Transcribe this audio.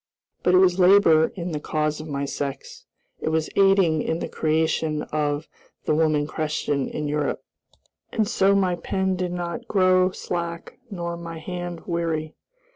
But it was labor in the cause of my sex; it was aiding in the creation of "The Woman Question in Europe," and so my pen did not grow slack nor my hand weary.